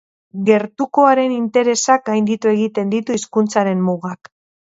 Gertukoaren interesak gainditu egiten ditu hizkuntzaren mugak.